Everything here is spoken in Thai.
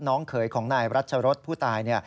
เขยของนายรัชรสผู้ตาย